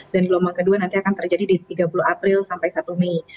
dan gelombang kedua nanti akan terjadi di tiga puluh april sampai satu mei